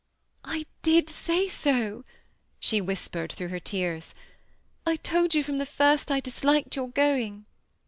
*^ I did say so," she whispered through her tears. ^I told you from the first I disliked your going."